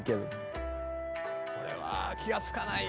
石原：これは気が付かないよ。